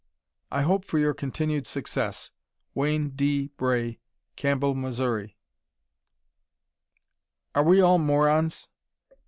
I hope for your continued success Wayne D. Bray, Campbell, Mo. _Are We All "Morons?"